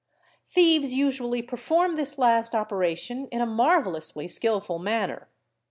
i Thieves usually perform this last operation in a marvellously skil — ful manner.